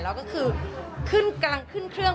แล้วก็คือขึ้นกลางขึ้นเครื่อง